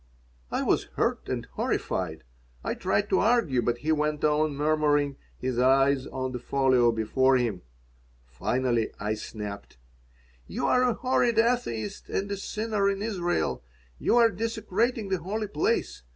I was hurt and horrified. I tried to argue, but he went on murmuring, his eyes on the folio before him Finally I snapped: "You are a horrid atheist and a sinner in Israel. You are desecrating the holy place."